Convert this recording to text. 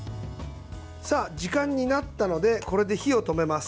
時間になったのでこれで火を止めます。